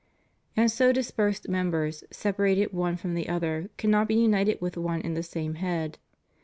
^ And so dispersed members, separated one from the other, cannot be united with one and the same head.